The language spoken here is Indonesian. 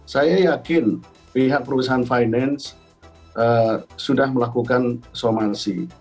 saya yakin pihak perusahaan finance sudah melakukan somansi